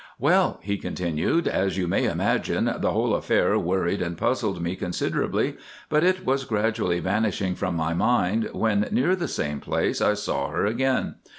"Well," he continued, "as you may imagine, the whole affair worried and puzzled me considerably, but it was gradually vanishing from my mind when near the same place I saw her again.